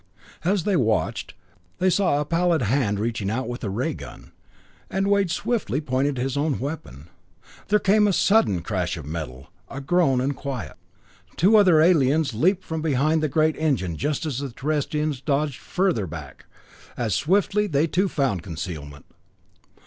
As they watched, they saw a pallid hand reaching out with a ray gun; and Wade swiftly pointed his own weapon. There came a sudden crash of metal, a groan and quiet. Two other aliens leaped from behind the great engine just as the Terrestrians dodged further back; as swiftly, they too found concealment.